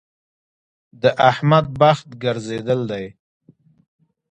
د احمد بخت ګرځېدل دی.